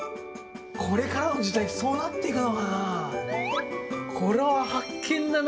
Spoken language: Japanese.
これからの時代、そうなっていくのかな。